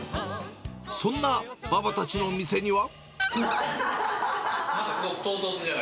そんなババたちの店には。